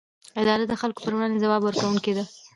اداره د خلکو پر وړاندې ځواب ورکوونکې ده.